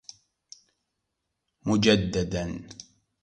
مجددا.